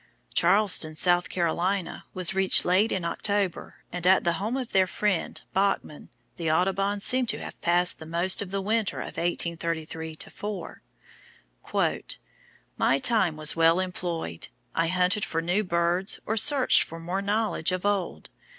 Charleston, South Carolina, was reached late in October, and at the home of their friend Bachman the Audubons seem to have passed the most of the winter of 1833 4: "My time was well employed; I hunted for new birds or searched for more knowledge of old.